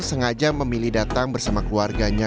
sengaja memilih datang bersama keluarganya